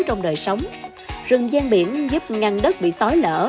trong đời sống rừng gian biển giúp ngăn đất bị sói lở